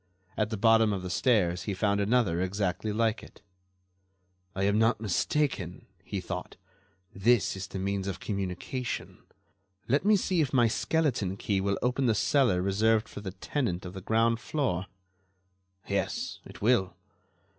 At the bottom of the stairs he found another exactly like it. "I am not mistaken," he thought; "this is the means of communication. Let me see if my skeleton key will open the cellar reserved for the tenant of the ground floor. Yes; it will.